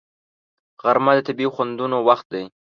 غرمه د طبیعي خوندونو وخت دی